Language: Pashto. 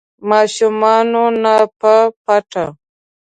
ماشومانو نه په پټه